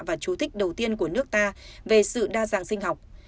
và chú thích đầu tiên của nước ta về sự đa dạng sinh học